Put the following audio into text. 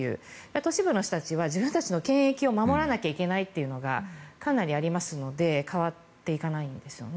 都市部の人たちは自分たちの権益を守らなきゃいけないというのがかなりありますので変わっていかないんですよね。